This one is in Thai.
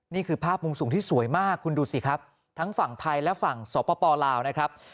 นี่คือภาพมุมสูงที่สวยมากคุณดูสิครับทั้งฝั่งไทยและฝั่งสปลาวนะครับ